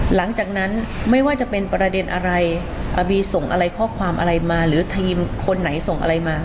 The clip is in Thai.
หลังจากนั้นไม่ว่าจะเป็นประเด็นอะไรอาบีส่งอะไรข้อความอะไรมาหรือทีมคนไหนส่งอะไรมา